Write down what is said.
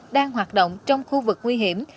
đang hoạt động trong khu vực nguy hiểm